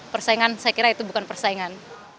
persaingan saya kira itu bukan persaingan